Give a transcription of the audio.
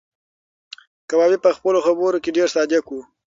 کبابي په خپلو خبرو کې ډېر صادق و.